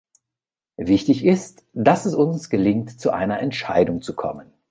Wichtig ist, dass es uns gelingt, zu einer Entscheidung zu kommen.